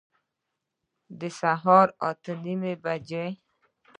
د سهار اته نیمي بجي